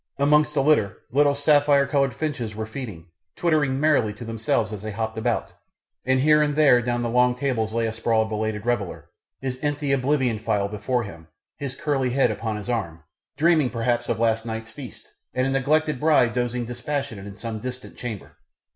Amongst the litter little sapphire coloured finches were feeding, twittering merrily to themselves as they hopped about, and here and there down the long tables lay asprawl a belated reveller, his empty oblivion phial before him, his curly head upon his arms, dreaming perhaps of last night's feast and a neglected bride dozing dispassionate in some distant chamber.